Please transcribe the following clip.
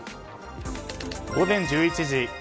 午前１１時。